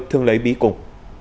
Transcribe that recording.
thương lấy bí cùng